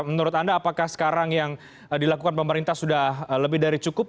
menurut anda apakah sekarang yang dilakukan pemerintah sudah lebih dari cukup